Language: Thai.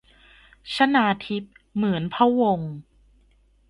ชนาธิป เหมือนพะวงศ์